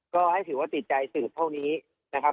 ก็ให้ถือว่าติดใจสืบเท่านี้นะครับ